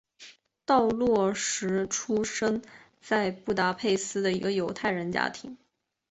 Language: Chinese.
道洛什出生在布达佩斯一个犹太人家庭。